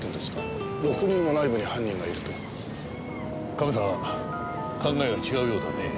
カメさんは考えが違うようだねえ。